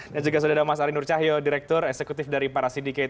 dan juga sudah ada mas arinur cahyo direktur eksekutif dari para sindiket